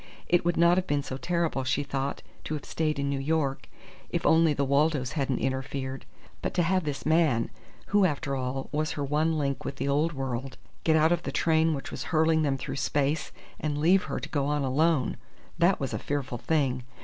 It would not have been so terrible, she thought, to have stayed in New York if only the Waldos hadn't interfered. But to have this man who, after all, was her one link with the old world get out of the train which was hurling them through space and leave her to go on alone! That was a fearful thing.